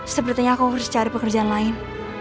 sepertinya aku harus cari pekerjaan lain